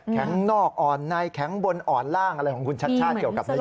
นอกอ่อนในแข็งบนอ่อนล่างอะไรของคุณชัดชาติเกี่ยวกับนายก